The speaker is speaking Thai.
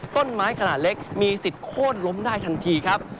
ต้นไม้ขนาดเล็กมีสิทธิ์โค้นล้มได้ทันทีครับ